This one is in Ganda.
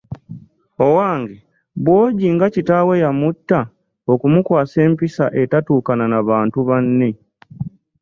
Owange, Bwogi nga Kitaawe yamutta okumukwasa empisa etetuukana na bantu banne.